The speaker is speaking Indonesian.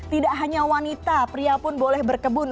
tidak hanya wanita pria pun boleh berkebun